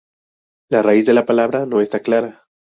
La raíz de la palabra no está clara.